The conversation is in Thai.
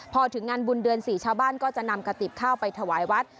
พอถึงงานบุญเดือน๔ชาวบ้านก็จะนำกระติบข้าวไปถวายวัด